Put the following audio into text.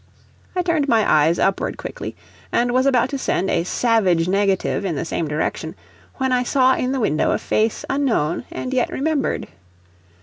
I turned my eyes upward quickly, and was about to send a savage negative in the same direction, when I saw in the window a face unknown and yet remembered.